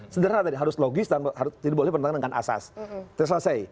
sederhana tadi harus logis dan tidak boleh bertentangan dengan asas terselesai